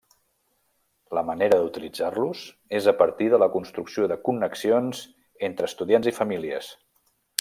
La manera d'utilitzar-los és a partir de la construcció de connexions entre estudiants i famílies.